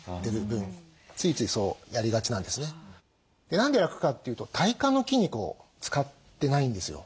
何で楽かっていうと体幹の筋肉を使ってないんですよ。